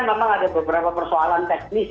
memang ada beberapa persoalan teknis